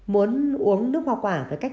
muốn uống nước hoa quả phải cách